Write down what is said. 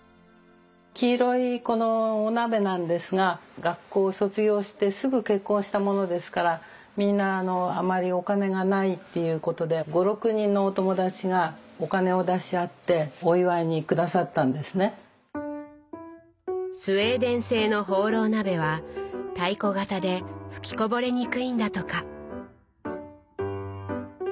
黄色いこのお鍋なんですが学校卒業してすぐ結婚したものですからみんなあまりお金がないっていうことで５６人のスウェーデン製のホーロー鍋は太鼓形で吹きこぼれにくいんだとか。